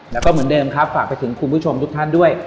แล้วก็เหมือนเดิมครับฝากไปถึงคุณผู้ชมทุกท่านด้วย